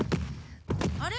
あれ？